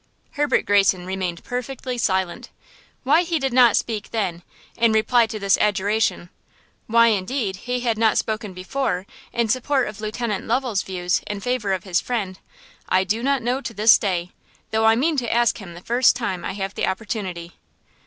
Herbert Greyson remained perfectly silent. Why he did not speak then, in reply to this adjuration–why, indeed, he had not spoken before, in support of Lieutenant Lovel's views in favor of his friend, I do not know to this day, though I mean to ask him the first time I have the opportunity.